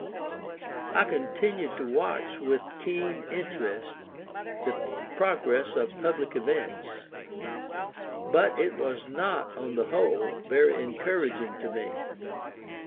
I continued to watch with keen interest the progress of public events. But it was not, on the whole, very encouraging to me.